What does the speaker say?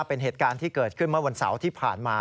เป็นเหตุการณ์ที่เกิดขึ้นเมื่อวันเสาร์ที่ผ่านมา